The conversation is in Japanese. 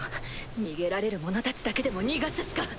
逃げられる者たちだけでも逃がすしか。